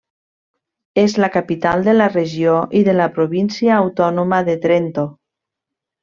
És la capital de la regió i de la província autònoma de Trento.